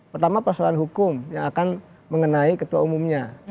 pertama persoalan hukum yang akan mengenai ketua umumnya